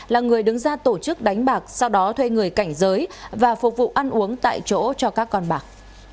là người đứng ra tổ chức đánh bạc sau đó thuê người cảnh giới và phục vụ ăn uống tại chỗ cho các con bạc